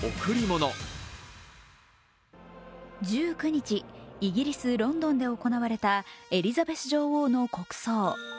１９日、イギリス・ロンドンで行われたエリザベス女王の国葬。